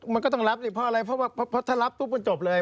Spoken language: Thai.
มันก็ต้องรับสิเพราะอะไรเพราะว่าเพราะถ้ารับปุ๊บมันจบเลย